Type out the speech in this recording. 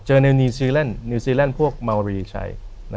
เจอในนิวซีแลนด์พวกมาวารีใช้